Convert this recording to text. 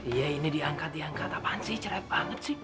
iya ini diangkat diangkat apaan sih cerai banget sih